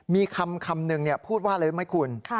มีคำนึงพูดว่าอะไรรู้ไหมคุณ